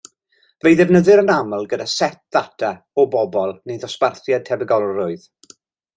Fe'i defnyddir yn aml gyda set data o bobl neu ddosbarthiad tebygolrwydd.